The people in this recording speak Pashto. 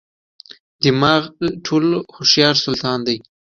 دماغ ټولو هوښیار سلطان دی.